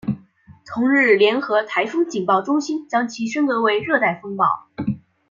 同日联合台风警报中心将其升格为热带风暴。